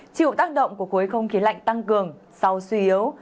chịu tác động của khối không khí lạnh tăng cường sau suy yếu